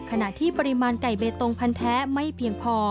ขณะที่ปริมาณไก่เบตงพันธ์แท้ไม่เพียงพอ